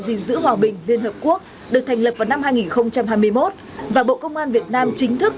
gìn giữ hòa bình liên hợp quốc được thành lập vào năm hai nghìn hai mươi một và bộ công an việt nam chính thức